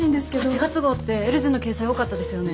８月号ってエルズの掲載多かったですよね。